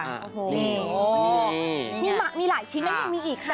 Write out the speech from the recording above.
นี่มีหลายชิ้นนั้นยังมีอีกค่ะ